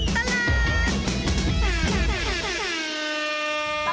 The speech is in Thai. ช่วงตลอดตลาด